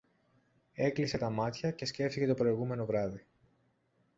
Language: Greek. Έκλεισε τα μάτια και σκέφτηκε το προηγούμενο βράδυ